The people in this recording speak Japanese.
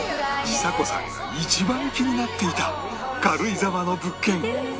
ちさ子さんが一番気になっていた軽井沢の物件